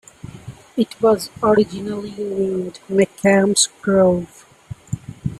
It was originally named Meacham's Grove.